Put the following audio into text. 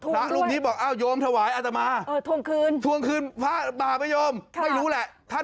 พระรูปนี้บอกโยมถวายเอาแต่มา